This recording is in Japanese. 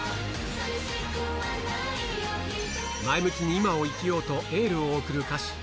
前向きに今を生きようとエールを送る歌詞。